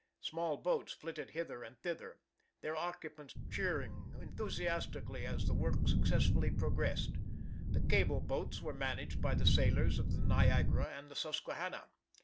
Small boats flitted hither and thither, their occupants cheering enthusiastically as the work successfully progressed. The cable boats were managed by the sailors of the Niagara and the Susquehanna.